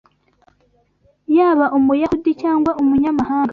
Yaba Umuyahudi cyangwa umunyamahanga